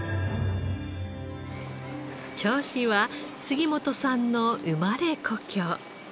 銚子は杉本さんの生まれ故郷。